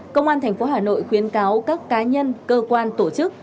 công an thành phố hà nội khuyên cáo các cá nhân cơ quan tổ chức